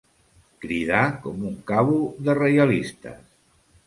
Cridar com un cabo de reialistes.